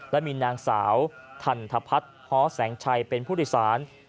และมีนางสาวทันทพัฒน์ฮแสงชัยเป็นผู้โดยสาร